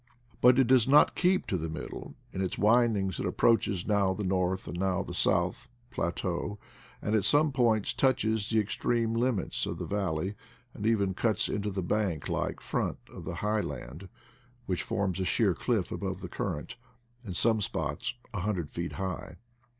But it does not keep to the middle; in its windings it approaches now the north, now the south, plateau, and at some points touches the extreme limits of the valley, and even cuts into the bank like front of the high land, which forms a sheer cliff above the current, in some spots a hundred feet high.